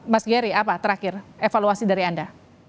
mas geri apa terakhir evaluasi dari anda